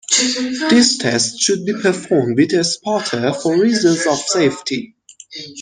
This test should be performed with a spotter for reasons of safety.